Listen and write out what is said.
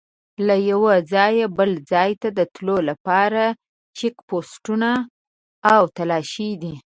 له یوه ځایه بل ځای ته د تلو لپاره چیک پوسټونه او تلاشي دي.